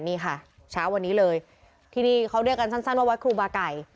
นี่ค่ะเช้าวันนี้เลยที่นี่เขาเรียกกันสั้นว่าวัดครูบาไก่